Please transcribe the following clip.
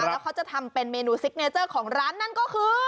แล้วเขาจะทำเป็นเมนูซิกเนเจอร์ของร้านนั่นก็คือ